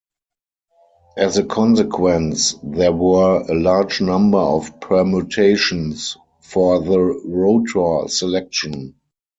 As a consequence, there were a large number of permutations for the rotor selection.